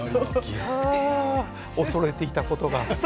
恐れていたことが。